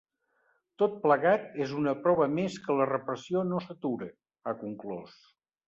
Tot plegat és “una prova més que la repressió no s’atura”, ha conclòs.